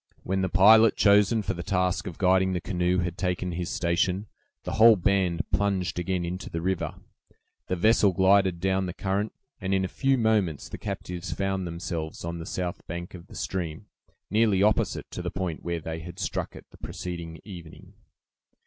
When the pilot chosen for the task of guiding the canoe had taken his station, the whole band plunged again into the river, the vessel glided down the current, and in a few moments the captives found themselves on the south bank of the stream, nearly opposite to the point where they had struck it the preceding evening.